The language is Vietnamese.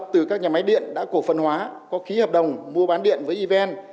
từ các nhà máy điện đã cổ phần hóa có khí hợp đồng mua bán điện với even